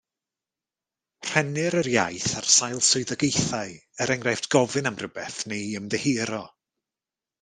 Rhennir yr iaith ar sail swyddogaethau, er enghraifft gofyn am rywbeth neu ymddiheuro.